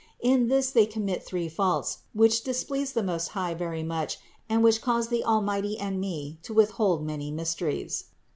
In this they commit three faults, which displease the Most High very much and which cause the Almighty and me to withhold many mercies.